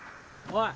おい！